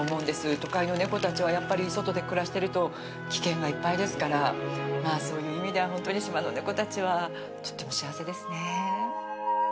都会の猫たちはやっぱり外で暮らしてると危険がいっぱいですからそういう意味ではホントに島の猫たちはとっても幸せですね。